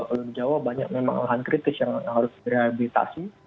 kalau di jawa banyak memang lahan kritis yang harus direhabilitasi